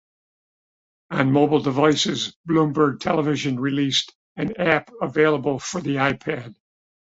On mobile devices, Bloomberg Television released an app available for the iPad.